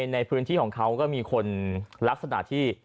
ในพื้นที่ของเขาก็มีคนลักษณะที่